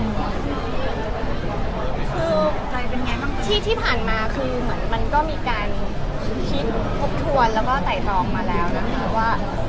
คือใจเป็นไงที่ผ่านมาคือมันก็มีการคิดพบทวนแล้วก็ใส่ท้องมาแล้วนะคะ